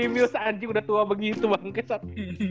petty mills anjing udah tua begitu banget